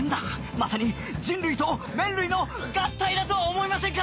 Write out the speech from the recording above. まさに人類と麺類の合体だとは思いませんか？